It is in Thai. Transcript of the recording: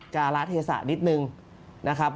กาลาเทศานิดหนึ่งนะครับ